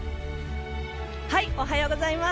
おはようございます。